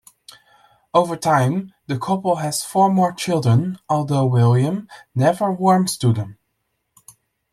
Over time the couple has four more children, although William never warms to them.